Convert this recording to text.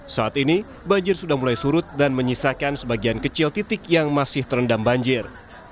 saat ini banjir sudah mulai surut dan menyisakan sebagian kecil titik yang masih terendam banjir